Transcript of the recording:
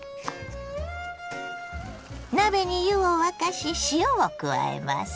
鍋に湯を沸かし塩を加えます。